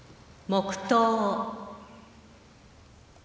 黙とう。